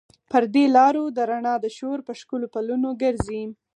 پر دې لارو د رڼا د شور، په ښکلو پلونو ګرزي